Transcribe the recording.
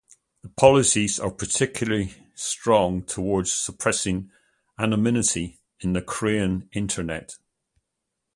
The policies are particularly strong toward suppressing anonymity in the Korean internet.